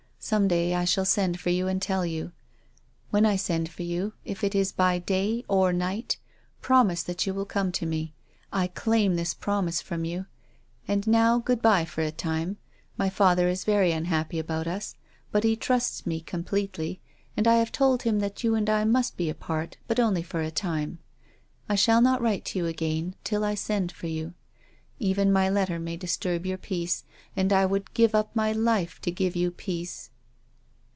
Some day I shall send for you and tell you. When I send for you, if it is by day or night, promise that you will come to me. I claim this promise from you. And now good bye for a time. My father is very unhappy about us. But he trusts me completely, and I THE LIVING CHILD. 249 have told him that you and I must be apart, but only for a time. I shall not write to you again till I send for you. Even my letter may disturb your peace and I would give up my life to give you peace."